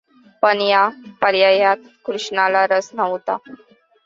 पण या पर्यायात कृष्णाला रस नव्हता!